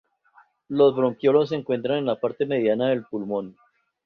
Los bronquiolos se encuentran en la parte mediana del pulmón.